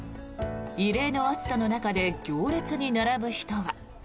異例の暑さの中で行列に並ぶ人は。